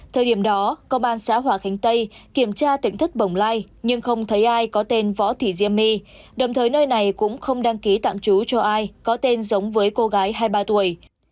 thời điểm đó công an xã hòa khánh tây kiểm tra tỉnh thất bồng lai nhưng không thấy ai có tên võ thị diêm my đồng thời nơi này cũng không đăng ký tạm trú cho ai có tên giống với cô gái hai mươi ba tuổi